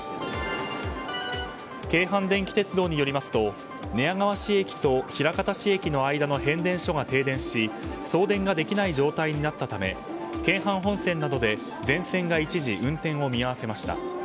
京阪電気鉄道によると寝屋川市駅と枚方市駅の間の変電所が停電し送電ができない状態となったため京阪本線などで全線が一時運転を見合わせました。